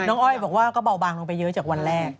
อ้อยบอกว่าก็เบาบางลงไปเยอะจากวันแรก